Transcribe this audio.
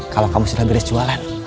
kalau kamu sudah beres jualan